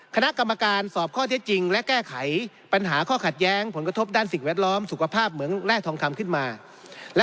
คณะกรรมการสอบข้อเท็จจริงและแก้ไขปัญหาข้อขัดแย้งผลกระทบด้านสิ่งแวดล้อมสุขภาพเหมืองแร่ทองคำขึ้นมา